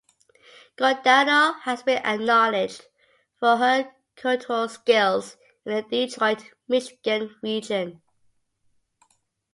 Giordano has been acknowledged for her curatorial skills in the Detroit, Michigan region.